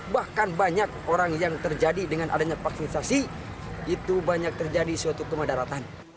bahkan banyak orang yang terjadi dengan adanya vaksinasi itu banyak terjadi suatu kemadaratan